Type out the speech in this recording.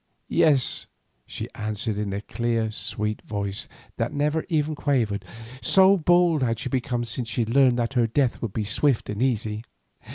"Yes," she answered in a clear, sweet voice, that never even quavered, so bold had she become since she learned that her death would be swift and easy.